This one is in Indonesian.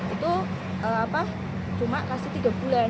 itu cuma kasih tiga bulan